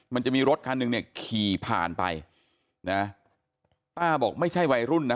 มันจะมีรถคันหนึ่งเนี่ยขี่ผ่านไปนะป้าบอกไม่ใช่วัยรุ่นนะ